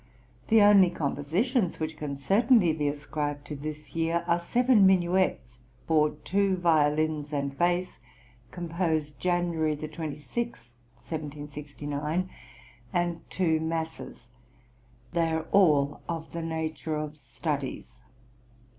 The only compositions which can certainly be ascribed to this year are seven minuets for two violins and bass, composed January 26, 1769, and two masses; they are all of the nature of studies.